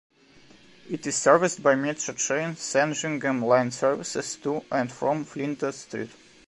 It is serviced by Metro Trains Sandringham line services to and from Flinders Street.